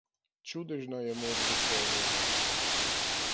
Čudežna je moč veselja.